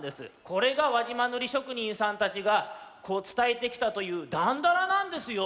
これが輪島塗しょくにんさんたちがつたえてきたという「だんだら」なんですよ！